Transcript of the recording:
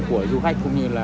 các hộ dân phố